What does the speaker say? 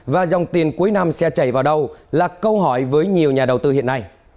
và dòng tiền cuối năm sẽ chạy vào đâu là câu hỏi với nhiều nhà đầu tư hiện nay